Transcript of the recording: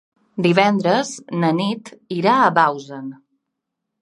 Divendres na Nit irà a Bausen.